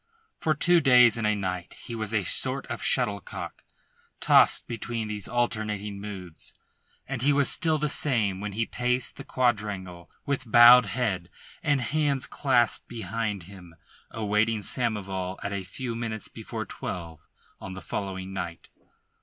For two days and a night he was a sort of shuttlecock tossed between these alternating moods, and he was still the same when he paced the quadrangle with bowed head and hands clasped behind him awaiting Samoval at a few minutes before twelve of the following night.